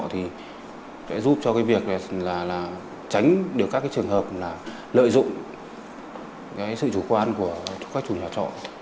thì sẽ giúp cho việc tránh được các trường hợp lợi dụng sự chủ quan của các chủ nhà trọ